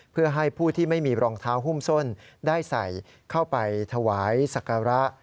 เพื่อให้ผู้ที่ไม่มีรองเท้าหุ้มส้นได้ใส่เข้าไปถวายศักระ